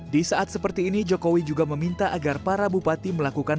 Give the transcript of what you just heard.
di saat seperti ini jokowi juga meminta agar para bupati melakukan